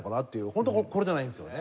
ホントはこれじゃないんですよね？